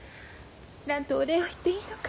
何とお礼を言っていいのか。